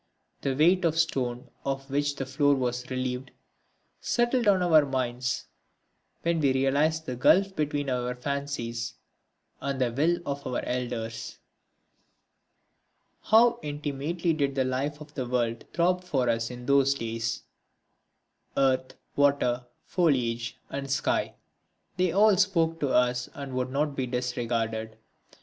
The weight of stone of which the floor was relieved settled on our minds when we realised the gulf between our fancies and the will of our elders. How intimately did the life of the world throb for us in those days! Earth, water, foliage and sky, they all spoke to us and would not be disregarded.